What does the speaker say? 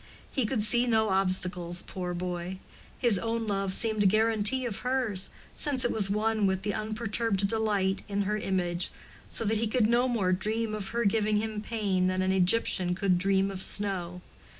He could see no obstacles, poor boy; his own love seemed a guarantee of hers, since it was one with the unperturbed delight in her image, so that he could no more dream of her giving him pain than an Egyptian could dream of snow.